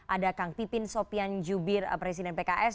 ada kang pipin sopian jubir presiden pks